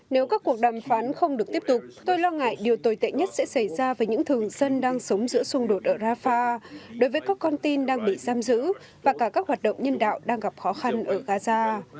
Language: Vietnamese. nếu các cuộc đàm phán không được tiếp tục tôi lo ngại điều tồi tệ nhất sẽ xảy ra với những thường dân đang sống giữa xung đột ở rafah đối với các con tin đang bị giam giữ và cả các hoạt động nhân đạo đang gặp khó khăn ở gaza